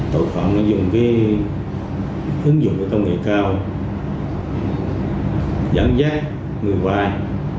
tổng phòng nó dùng cái ứng dụng công nghệ cao dẫn dắt người vay